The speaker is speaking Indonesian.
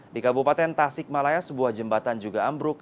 di kabupaten tasik malaya sebuah jembatan juga ambruk